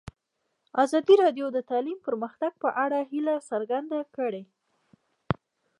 ازادي راډیو د تعلیم د پرمختګ په اړه هیله څرګنده کړې.